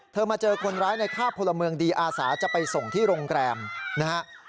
มาเจอคนร้ายในค่าพลเมืองดีอาสาจะไปส่งที่โรงแรมนะฮะ